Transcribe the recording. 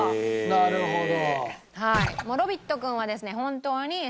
なるほど。